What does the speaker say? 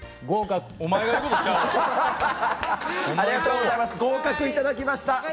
合格いただきました。